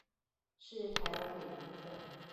是台灣的一部分